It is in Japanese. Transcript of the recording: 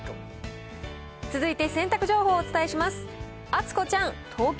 続いて洗濯情報をお伝えします。